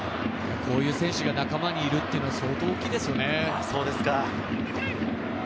こういう選手が仲間にいるっていうのは相当、大きいですよね。